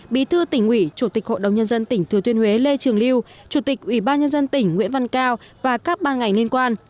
bí thư tỉnh ủy chủ tịch hội đồng nhân dân tỉnh thừa thiên huế lê trường lưu chủ tịch ủy ban nhân dân tỉnh nguyễn văn cao và các ban ngành liên quan